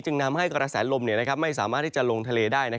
ทำให้กระแสลมไม่สามารถที่จะลงทะเลได้